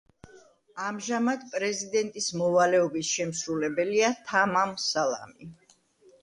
ამჟამად პრეზიდენტის მოვალეობის შემსრულებელია თამამ სალამი.